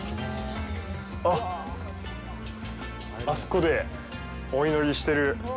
あっ、あそこでお祈りしてる。